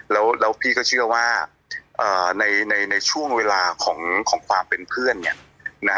แล้วพี่ก็เชื่อว่าในช่วงเวลาของความเป็นเพื่อนเนี่ยนะฮะ